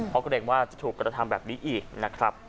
เพราะเกรงว่าจะถูกกระทำแบบนี้อีกนะครับ